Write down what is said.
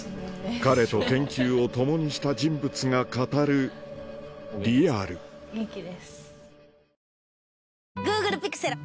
彼と研究を共にした人物が語るリアルあやみちゃん。